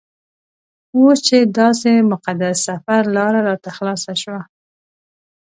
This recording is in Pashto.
اوس چې داسې مقدس سفر لاره راته خلاصه شوه.